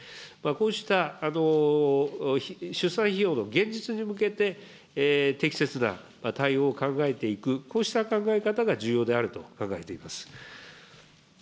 こうした出産費用の現実に向けて、適切な対応を考えていく、こうした考え方が重要であると考えています。